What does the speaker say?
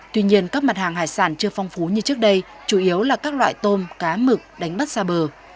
tuy nhiên các mặt hàng hải sản chưa phong phú như trước đây chủ yếu là các loại tôm cá mực đánh bắt xa bờ